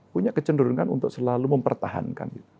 punya kecenderungan untuk selalu mempertahankan